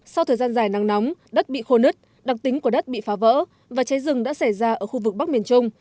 sau thời gian dài nắng nóng đất bị khô nứt đặc tính của đất bị phá vỡ và cháy rừng đã xảy ra ở khu vực bắc miền trung